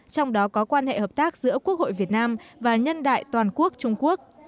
trong đó có quan hệ hợp tác giữa quốc hội việt nam và nhân đại toàn quốc trung quốc